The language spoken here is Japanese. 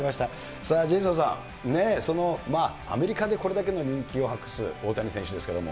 さあジェイソンさん、アメリカでこれだけの人気を博す大谷選手ですけれども。